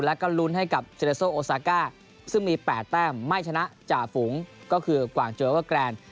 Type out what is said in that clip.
แล้วก็ลุ้นให้กับเซเลโซโอซาก้าซึ่งมี๘แต้มไม่ชนะจ่าฝูงก็คือกวางโจเวอร์แกรนด์